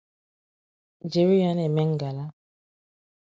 jiri ya na-eme ngala